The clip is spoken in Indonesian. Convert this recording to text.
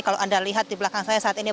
kalau anda lihat di belakang saya satu satunya